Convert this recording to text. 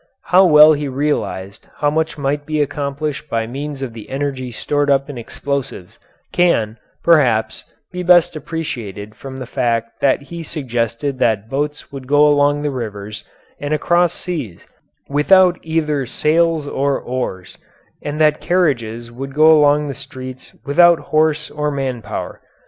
How well he realized how much might be accomplished by means of the energy stored up in explosives, can, perhaps, be best appreciated from the fact that he suggested that boats would go along the rivers and across seas without either sails or oars, and that carriages would go along the streets without horse or man power.